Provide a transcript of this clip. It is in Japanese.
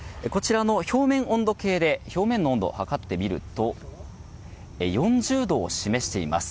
表面温度計で表面温度を測ってみると４０度を示しています。